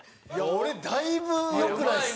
俺だいぶ良くないですか？